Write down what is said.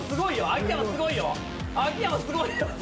秋山すごい。